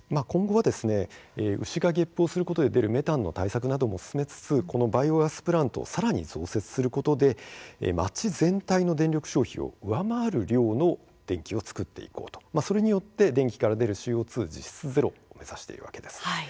今後は牛がげっぷをすることで出るメタンの対策なども進めつつこのバイオガスプラントをさらに増設することで町全体の電力消費を上回る量の電気を作っていこうそれによって電気からＣＯ２実質ゼロを目指しているわけです。